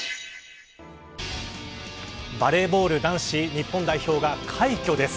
バレーボール男子日本代表が快挙です。